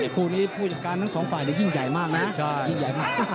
คู่นี้ผู้จัดการทั้งสองฝ่ายยิ่งใหญ่มากนะ